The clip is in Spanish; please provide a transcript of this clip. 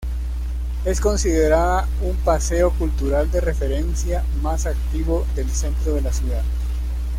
Es considerada un paseo cultural de referencia más activo del centro de la ciudad.